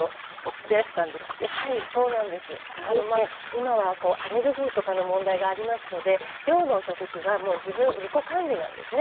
今はアレルギーとかの問題がありますので寮のお食事は自己管理なんですね。